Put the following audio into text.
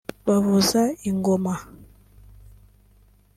bavuza ingoma